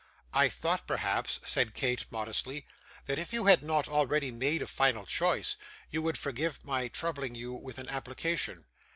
'I thought, perhaps,' said Kate, modestly, 'that if you had not already made a final choice, you would forgive my troubling you with an application.